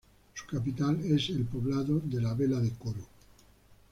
Su capital es el poblado de La Vela de Coro.